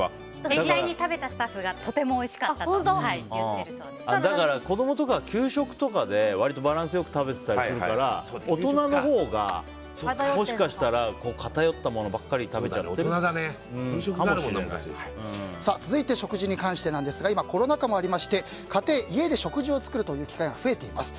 実際に食べたスタッフはとてもおいしかったとだから、子供とかは給食とかで割とバランス良く食べてたりするから大人のほうが、もしかしたら偏ったものばっかり続いて、食事に関してですが今、コロナ禍もありまして家庭、家で食事を作るという機会が増えています。